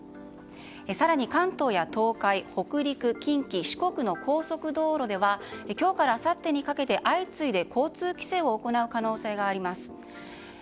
更に関東や東海、北陸近畿、四国の高速道路では今日からあさってにかけて相次いで交通規制を行う可能性があります。